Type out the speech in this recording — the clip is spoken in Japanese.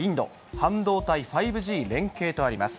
半導体、５Ｇ連携とあります。